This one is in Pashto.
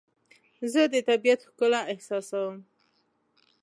زه د طبیعت ښکلا احساسوم.